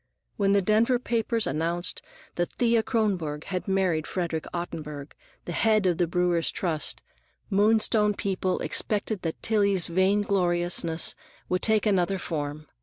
When the Denver papers announced that Thea Kronborg had married Frederick Ottenburg, the head of the Brewers' Trust, Moonstone people expected that Tillie's vain gloriousness would take another form.